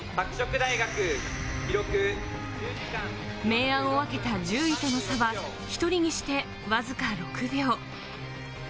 明暗を分けた１０位との差は１人にしてわずか６秒。